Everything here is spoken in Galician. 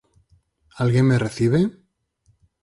Alguén me recibe?